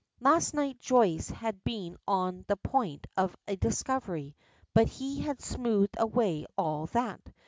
Last night Joyce had been on the point of a discovery, but he had smoothed away all that.